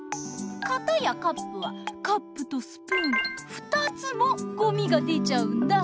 かたやカップはカップとスプーン２つもゴミが出ちゃうんだ。